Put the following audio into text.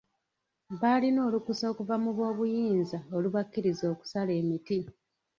Baalina olukusa okuva mu b'obuyinza olubakkiriza okusala emiti.